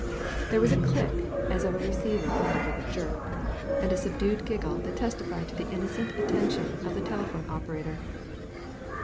There was a click as of a receiver hung up with a jerk, and a subdued giggle that testified to the innocent attention of the telephone operator.